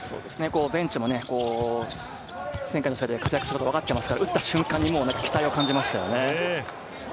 ベンチも、前回の試合で活躍したことわかってますから、打った瞬間に期待を感じましたね。